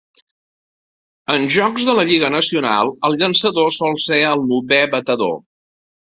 En jocs de la Lliga Nacional el llançador sol ser el novè batedor.